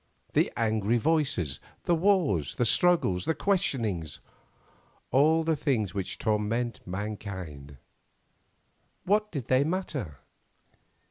The angry voices, the wars, the struggles, the questionings—all the things which torment mankind; what did they matter?